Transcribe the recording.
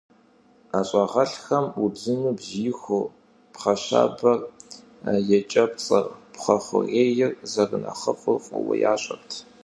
ӀэщӀагъэлӀхэм убзыну бзиихур, пхъэщабэр, екӀэпцӀэр, пхъэхуейр зэрынэхъыфӀыр фӀыуэ ящӀэрт.